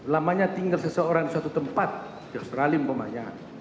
lamanya tinggal seseorang di suatu tempat di australia mau saya tanya